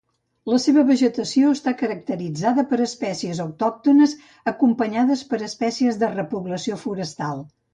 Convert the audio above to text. La seva vegetació està caracteritzada per espècies autòctones acompanyades per espècies de repoblació forestal.